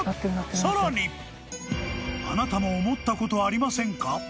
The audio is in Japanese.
更に、あなたも思ったことありませんか？